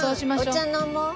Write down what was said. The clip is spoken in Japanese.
お茶飲もう。